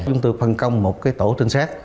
chúng tôi phân công một tổ trinh sát